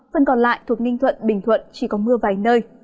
phần còn lại thuộc ninh thuận bình thuận chỉ có mưa vài nơi